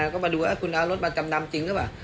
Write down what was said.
ก็มาดูว่าคุณเอารถมาจำนำจริงหรือเปล่า